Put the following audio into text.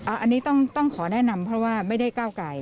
อันนี้ต้องขอแนะนำเพราะว่าไม่ได้ก้าวไก่